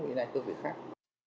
giữ cơ vị này cơ vị khác